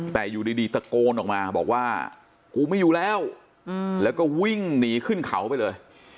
แต่อยู่ดีตะโกนออกมาบอกว่ากูไม่อยู่แล้วแล้วก็วิ่งหนีขึ้นเขาไปเลย